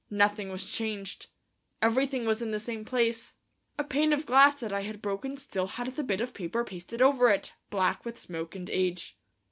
Nothing was changed, everything was in the same place; a pane of glass that I had broken still had the bit of paper pasted over it, black with smoke and age.